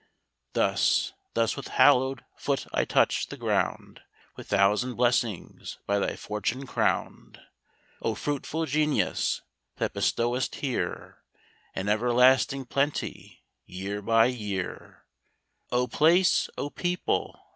Thus, thus with hallow'd foot I touch the ground, With thousand blessings by thy fortune crown'd. O fruitful Genius! that bestowest here An everlasting plenty year by year; O place! O people!